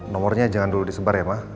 nomornya jangan dulu disebar ya mas